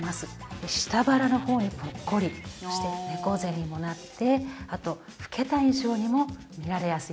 で下腹の方にポッコリして猫背にもなってあと老けた印象にも見られやすいんですね。